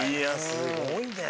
すごいね！